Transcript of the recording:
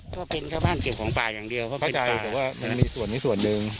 ก็เป็นก็บ้านเก็บของปลาอย่างเดียวเพราะว่ามันมีส่วนนี้ส่วนหนึ่ง